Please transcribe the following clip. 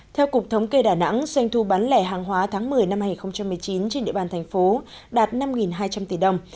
theo cục thống kê đà nẵng doanh thu bán lẻ hàng hóa tháng một mươi năm hai nghìn một mươi chín trên địa bàn thành phố đạt năm hai trăm linh tỷ đồng